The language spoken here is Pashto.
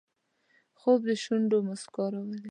خوب د شونډو مسکا راوړي